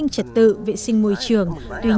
cho cảnh quan môi trường nơi đây